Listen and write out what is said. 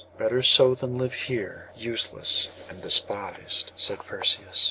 'Better so than live here, useless and despised,' said Perseus.